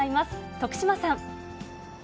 徳島さん。